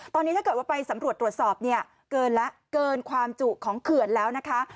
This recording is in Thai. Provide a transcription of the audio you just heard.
ตอนนี้ถ้าเกิดว่าไปสำรวจตรวจสอบเนี่ยเกินแล้วเกินความจุของเขื่อนแล้วนะคะ